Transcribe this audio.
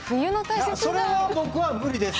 いやそれは僕は無理です。